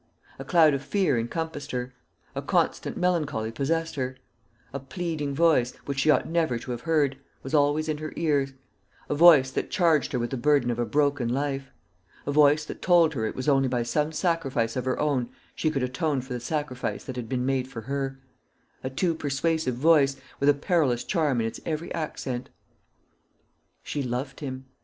A cloud of fear encompassed her; a constant melancholy possessed her; a pleading voice, which she ought never to have heard, was always in her ears a voice that charged her with the burden of a broken life a voice that told her it was only by some sacrifice of her own she could atone for the sacrifice that had been made for her a too persuasive voice, with a perilous charm in its every accent. She loved him.